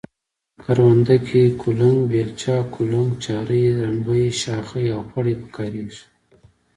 کرونده کې کلنگه، بیلچه، کولنگ، چارۍ، رنبی، شاخۍ او پړی په کاریږي.